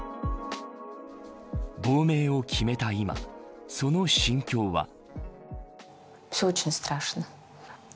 亡命を決めた今、その心境は。